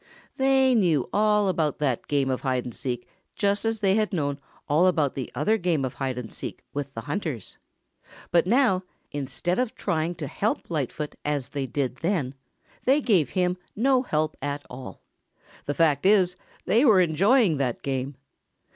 They knew all about that game of hide and seek just as they had known all about that other game of hide and seek with the hunters. But now, instead of trying to help Lightfoot as they did then, they gave him no help at all. The fact is, they were enjoying that game.